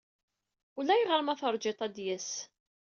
Ulayɣer ma teṛjiḍ-t ad d-yas.